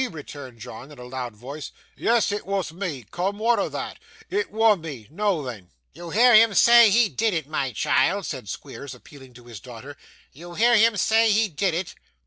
returned John, in a loud tone. 'Yes, it wa' me, coom; wa'at o' that? It wa' me. Noo then!' 'You hear him say he did it, my child!' said Squeers, appealing to his daughter. 'You hear him say he did it!